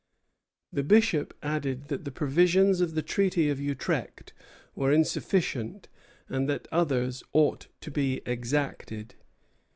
The Bishop added that the provisions of the treaty of Utrecht were insufficient, and that others ought to be exacted.